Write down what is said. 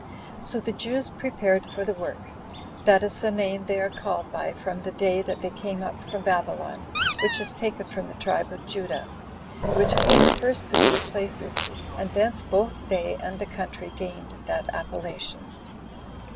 So the Jews prepared for the work: that is the name they are called by from the day that they came up from Babylon, which is taken from the tribe of Judah, which came first to these places, and thence both they and the country gained that appellation.